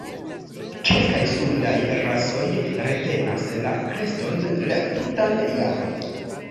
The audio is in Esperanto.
Kelkaj sudaj rasoj retenas la kreston la tutan jaron.